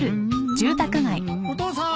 ・お父さん！